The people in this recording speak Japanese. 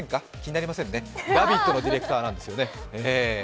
「ラヴィット！」のディレクターなんですよね。